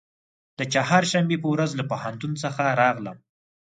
د چهارشنبې په ورځ له پوهنتون څخه راغلم.